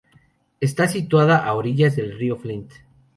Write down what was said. Está situada a orillas del río Flint.